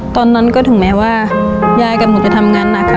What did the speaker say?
ตอนนั้นก็ถึงแม้ว่ายายกับหนูจะทำงานหนักค่ะ